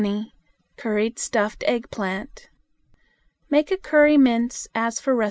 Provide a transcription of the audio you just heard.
Curried Stuffed Eggplant. Make a curry mince as for No.